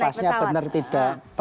boarding pasnya benar tidak